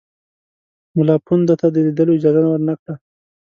مُلاپوونده ته د لیدلو اجازه ورنه کړه.